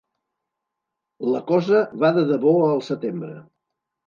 La cosa va de debò al setembre.